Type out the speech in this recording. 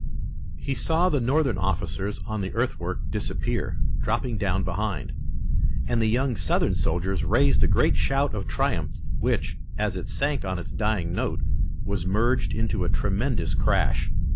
He saw the Northern officers on the earthwork disappear, dropping down behind, and the young Southern soldiers raised a great shout of triumph which, as it sank on its dying note, was merged into a tremendous crash.